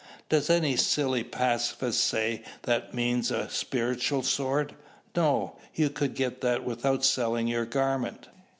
Does any silly pacifist say that means a spiritual sword? No. You could get that without selling your garment.